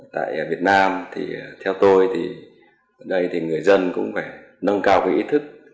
tại việt nam theo tôi thì người dân cũng phải nâng cao ý thức